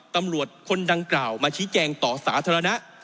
ตำรวจคนดังกล่าวมาชี้แจงต่อสาธารณะ